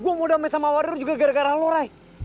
gue mau damai sama wario juga gara gara lu rai